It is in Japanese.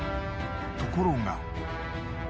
ところが。